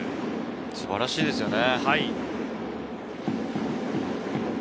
素晴らしいですよね。